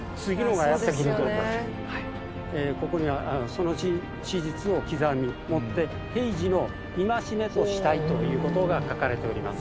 「ここにその史実を刻み以って平時の戒めとしたい」という事が書かれております。